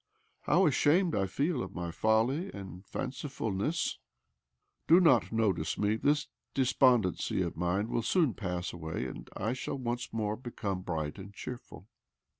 How ashamed I feel of my folly and fancifulness ! But do not notice me : this despondency of mine will soon pass away, and I shall once more become bright and cheerful."